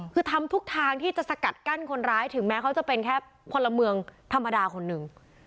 คือทำทุกทางที่จะสกัดกั้นคนร้ายถึงแม้เขาจะเป็นแค่พลเมืองธรรมดาคนหนึ่ง